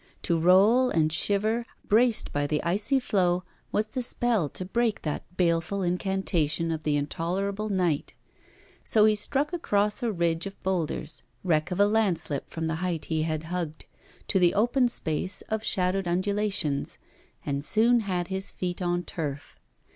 To roll and shiver braced by the icy flow was the spell to break that baleful incantation of the intolerable night; so he struck across a ridge of boulders, wreck of a landslip from the height he had hugged, to the open space of shadowed undulations, and soon had his feet on turf.